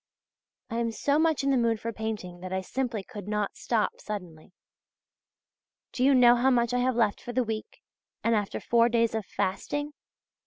I am so much in the mood for painting that I simply could not stop suddenly. Do you know how much I have left for the week, and after four days of fasting?